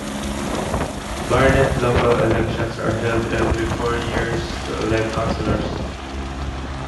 Barnet local elections are held every four years to elect councillors.